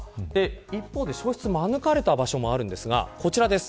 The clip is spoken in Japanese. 一方で、焼失を免れた場所もあるんですが、こちらです。